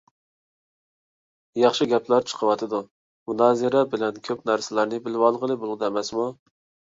ياخشى گەپلەر چىقىۋاتىدۇ. مۇنازىرە بىلەن كۆپ نەرسىلەرنى بىلىۋالغىلى بولىدۇ ئەمەسمۇ.